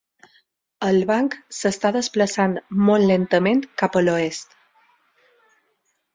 El banc s'està desplaçant molt lentament cap a l'oest.